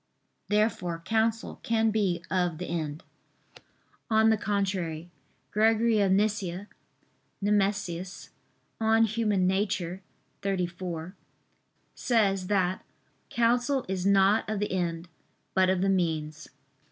Therefore counsel can be of the end. On the contrary, Gregory of Nyssa [*Nemesius, De Nat. Hom. xxxiv.] says that "counsel is not of the end, but of the means."